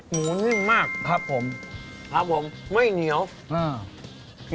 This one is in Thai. นิ่มมากครับผมครับผมไม่เหนียวอ่า